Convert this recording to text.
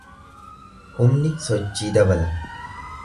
Humni sochii dabala.